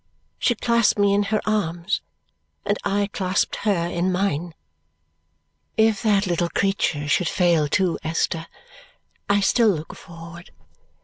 She clasped me in her arms, and I clasped her in mine. "If that little creature should fail too, Esther, I still look forward.